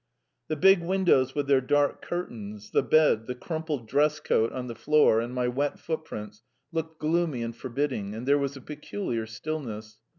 The big windows with their dark curtains, the bed, the crumpled dress coat on the floor, and my wet footprints, looked gloomy and forbidding. And there was a peculiar stillness.